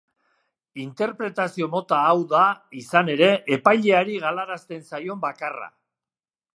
Interpretazio mota hau da, izan ere, epaileari galarazten zaion bakarra.